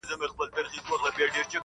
په ډوډۍ به یې د غم عسکر ماړه وه.!